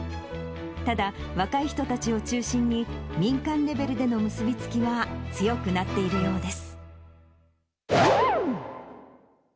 ただ、若い人たちを中心に、民間レベルでの結び付きが強くなっているようです。